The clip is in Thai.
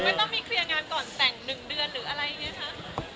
ไม่ต้องมีเคลียร์งานก่อนแต่งหนึ่งเดือนหรืออะไรอย่างเงี้ยครับ